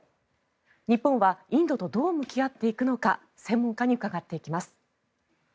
日本はインドとどう向き合っていくのか専門家に伺っていきます。